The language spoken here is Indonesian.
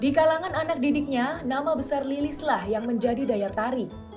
di kalangan anak didiknya nama besar lilislah yang menjadi daya tarik